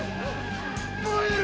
燃える！